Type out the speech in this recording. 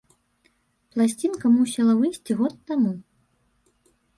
Пласцінка мусіла выйсці год таму.